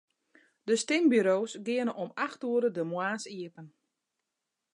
De stimburo's geane om acht oere de moarns iepen.